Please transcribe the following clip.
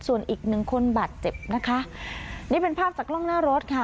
ส่วนอีกหนึ่งคนบาดเจ็บนะคะนี่เป็นภาพจากกล้องหน้ารถค่ะ